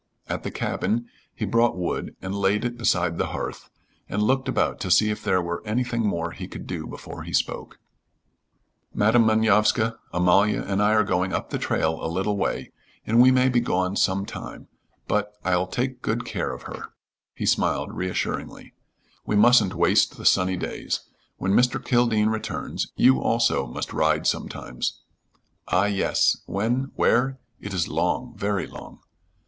At the cabin he brought wood and laid it beside the hearth, and looked about to see if there were anything more he could do before he spoke. "Madam Manovska, Amalia and I are going up the trail a little way, and we may be gone some time, but I'll take good care of her." He smiled reassuringly: "We mustn't waste the sunny days. When Mr. Kildene returns, you also must ride sometimes." "Ah, yes. When? When? It is long very long."